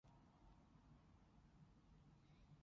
希望唔會涉及任何廣告